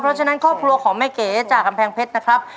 เพราะฉะนั้นครอบครัวของแม่เก๋จากกำแพงเพชรนะครับ